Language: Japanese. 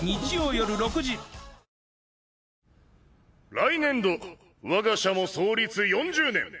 来年度我が社も創立４０年。